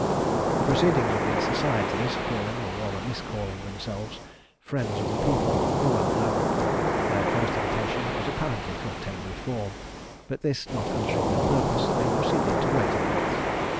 The proceedings of these societies, calling, or rather miscalling, themselves Friends of the People, were well known: their first intention was apparently to obtain reform; but this not answering their purpose, they proceeded to greater lengths.